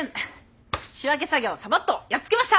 仕分け作業サバっとやっつけました！